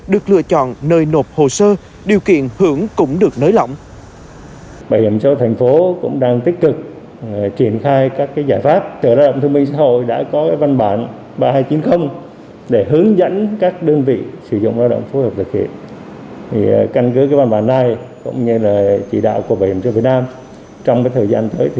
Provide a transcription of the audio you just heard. được lựa chọn nơi nộp hồ sơ điều kiện hưởng cũng được nới lỏng